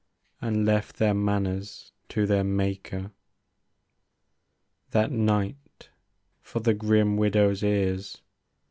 And left their manners to their Maker. That night, for the grim widow's ears.